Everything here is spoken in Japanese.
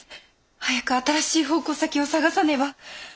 早く新しい奉公先を探さねば。